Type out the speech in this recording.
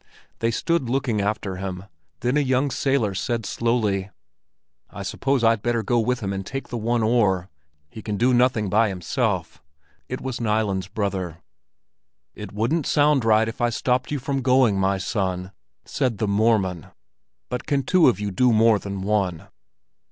They stood looking after him. Then a young sailor said slowly: "I suppose I'd better go with him and take the one oar. He can do nothing by himself." It was Nilen's brother. "It wouldn't sound right if I stopped you from going, my son," said "the Mormon." "But can two of you do more than one?"